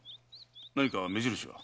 何か目印は？